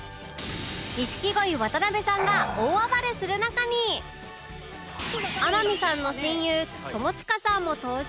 錦鯉渡辺さんが大暴れする中に天海さんの親友友近さんも登場